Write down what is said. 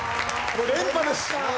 連覇です。